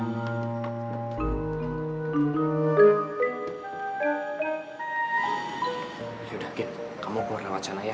yaudah ginn kamu keluar lewat sana ya